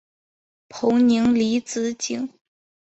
彭宁离子阱。